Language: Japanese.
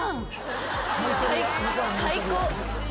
最高。